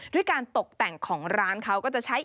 ด้วยการตกแต่งของร้านเขาก็จะใช้